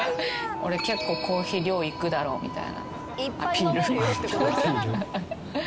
「俺結構コーヒー量いくだろ」みたいなアピール？